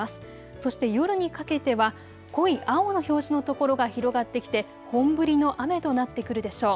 そして夜にかけては、濃い青の表示の所が広がってきて本降りの雨となってくるでしょう。